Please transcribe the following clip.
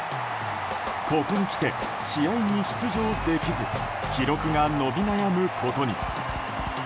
ここにきて試合に出場できず記録が伸び悩むことに。